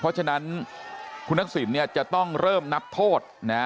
เพราะฉะนั้นคุณทักษิณจะต้องเริ่มนับโทษนะ